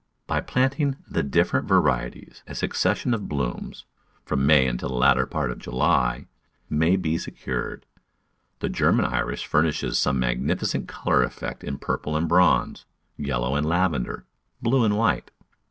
By planting the different varieties a succession of bloom, from May until the latter part of July, may be secured. The German Iris furnishes some magnificent colour effects in purple and bronze, yellow and lavender, blue and white.